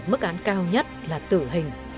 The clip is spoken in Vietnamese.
mức án cao nhất là tử hình